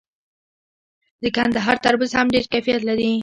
د کندهار تربوز هم ډیر کیفیت لري.